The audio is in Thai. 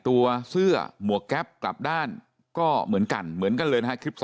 ตัวเสื้อหมวกแก๊ปกลับด้านก็เหมือนกันเหมือนกันเลยนะฮะคลิป